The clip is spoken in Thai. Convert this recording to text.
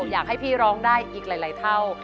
อยากให้พี่ร้องได้อีกหลายเท่า